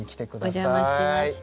お邪魔しました。